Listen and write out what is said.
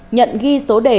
nhận ghi số đề